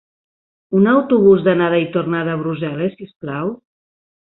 Un autobús d'anada i tornada a Brussel·les, si us plau.